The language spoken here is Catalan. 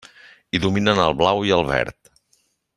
Hi dominen el blau i el verd.